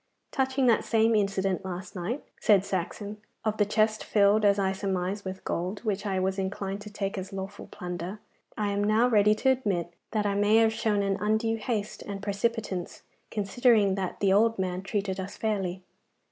'Touching that same incident last night,' said Saxon, 'of the chest filled, as I surmise, with gold, which I was inclined to take as lawful plunder, I am now ready to admit that I may have shown an undue haste and precipitance, considering that the old man treated us fairly.